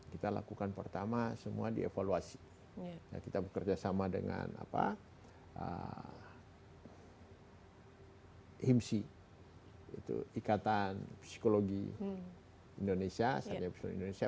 kita lakukan pertama semua dievaluasi kita bekerjasama dengan hmsi ikatan psikologi indonesia sajak pesuling indonesia